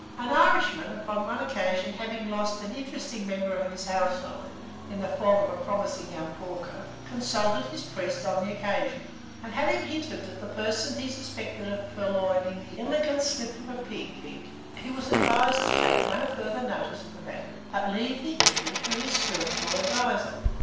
An Irishman upon one occasion having lost an interesting member of his household, in the form of a promising young porker, consulted his priest on the occasion, and having hinted at the person he suspected of purloining the "illegant slip of a pig" he was advised to take no further notice of the matter, but leave the issue to his spiritual adviser.